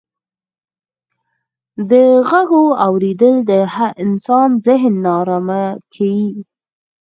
د ږغو اورېدل د انسان ذهن ناآرامه کيي.